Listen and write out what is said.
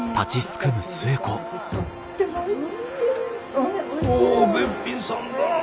おおっべっぴんさんだな。